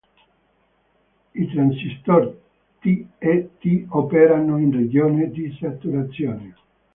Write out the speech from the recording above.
I transistor "T" e "T" operano in regione di saturazione.